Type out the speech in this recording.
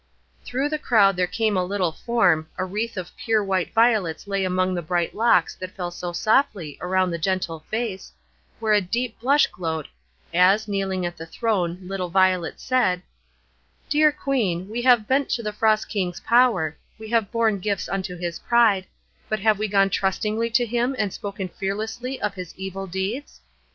Through the crowd there came a little form, a wreath of pure white violets lay among the bright locks that fell so softly round the gentle face, where a deep blush glowed, as, kneeling at the throne, little Violet said:— "Dear Queen, we have bent to the Frost King's power, we have borne gifts unto his pride, but have we gone trustingly to him and spoken fearlessly of his evil deeds?